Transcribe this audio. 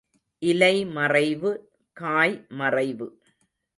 இலை மறைவு, காய் மறைவு.